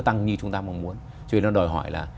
tăng như chúng ta mong muốn cho nên nó đòi hỏi là